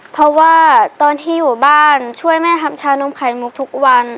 เพราะว่าตอนที่อยู่บ้านช่วยแม่ทำชานมไข่มุกทุกวัน